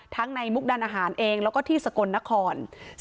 ในมุกดานอาหารเองแล้วก็ที่สกลนคร